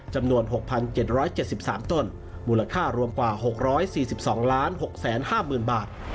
จำนวน๖๗๗๓ต้นมูลค่ารวมกว่า๖๔๒๖๕๐๐๐บาท